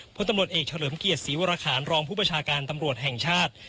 พลตำรวจเอกเฉลิมเกียรติศรีวรคารรองผู้ประชาการตำรวจแห่งชาติ